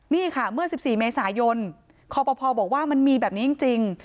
นี่ค่ะเมื่อ๑๔เมษายนคอปภบอกว่ามันมีแบบนี้จริง